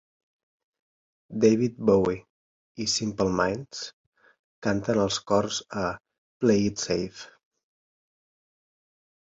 David Bowie i Simple Minds canten els cors a "Play It Safe".